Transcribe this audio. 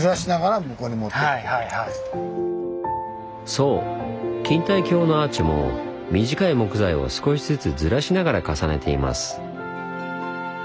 そう錦帯橋のアーチも短い木材を少しずつずらしながら重ねています。